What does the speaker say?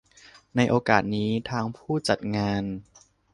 ในโอกาสนี้ ทางผู้จัดงาน